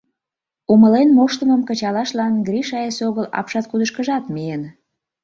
«Умылен моштымым кычалашлан» Гриша эсогыл апшаткудышкыжат миен.